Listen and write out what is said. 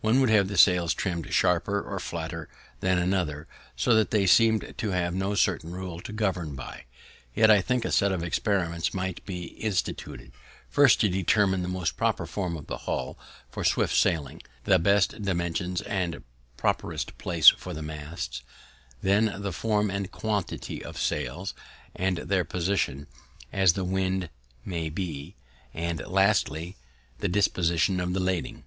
One would have the sails trimm'd sharper or flatter than another, so that they seem'd to have no certain rule to govern by. Yet I think a set of experiments might be instituted; first, to determine the most proper form of the hull for swift sailing; next, the best dimensions and properest place for the masts; then the form and quantity of sails, and their position, as the wind may be; and, lastly, the disposition of the lading.